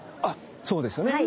そうですね。